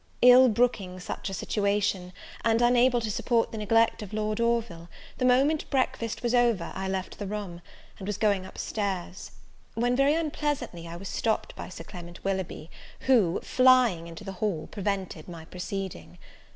Ill brooking such a situation, and unable to suport the neglect of Lord Orville, the moment breakfast was over I left the room, and was going up stairs; when, very unpleasantly, I was stopped by Sir Clement Willoughby, who, flying into the hall, prevented my proceeding.